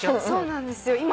そうなんですよ